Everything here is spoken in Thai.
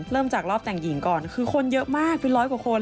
เริ่มจากรอบแต่งหญิงก่อนคือคนเยอะมากเป็นร้อยกว่าคน